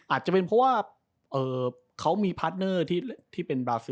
อาจจะเป็นเพราะว่าเขามีพาร์ทเนอร์ที่เป็นบราซิล